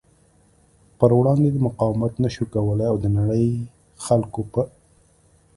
پر وړاندې مقاومت نشو کولی او د نړۍ خلکو په